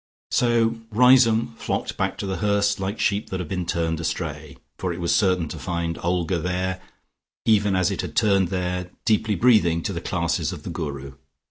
So Riseholme flocked back to The Hurst like sheep that have been astray, for it was certain to find Olga there, even as it had turned there, deeply breathing, to the classes of the Guru.